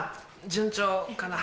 順調かな？